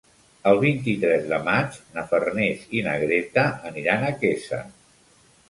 El vint-i-tres de maig na Farners i na Greta aniran a Quesa.